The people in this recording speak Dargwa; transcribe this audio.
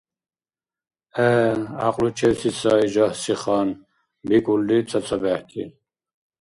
— ГӀе, гӀякьлучевси сай жагьси хан, — бикӀулри цацабехӀти.